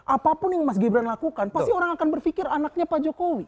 apapun yang mas gibran lakukan pasti orang akan berpikir anaknya pak jokowi